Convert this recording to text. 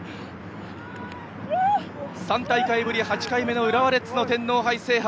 ３大会ぶり８回目の浦和レッズの天皇杯制覇。